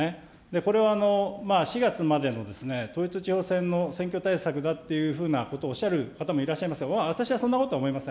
これは４月までの統一地方選の選挙対策だというふうにおっしゃる方もいらっしゃいますが、私はそんなこと思いません。